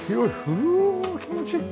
うわ気持ちいい！